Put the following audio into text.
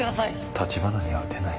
橘には撃てない。